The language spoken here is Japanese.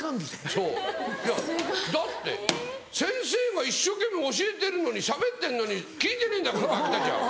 そういやだって先生が一生懸命教えてるのにしゃべってるのに聞いてねえんだこのガキたちは。